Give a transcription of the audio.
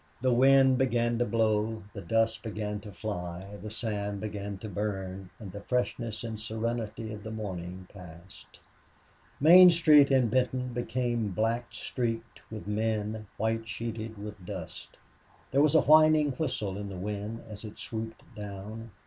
The wind began to blow, the dust began to fly, the sun began to burn; and the freshness and serenity of the morning passed. Main street in Benton became black streaked with men, white sheeted with dust. There was a whining whistle in the wind as it swooped down.